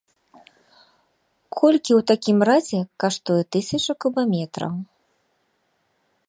Колькі ў такім разе каштуе тысяча кубаметраў?